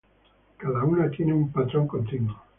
Cada una tiene un patrón continuo.